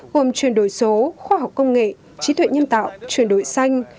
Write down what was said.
gồm chuyển đổi số khoa học công nghệ trí tuệ nhân tạo chuyển đổi xanh